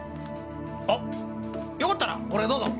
あっよかったらこれどうぞ。